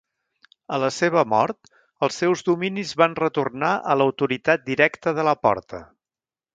A la seva mort els seus dominis van retornar a l'autoritat directa de la Porta.